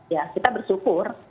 ya kita bersyukur